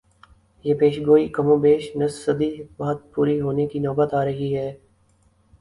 یہ پیشگوئی کم و بیش نصف صدی بعد پوری ہونے کی نوبت آ رہی ہے۔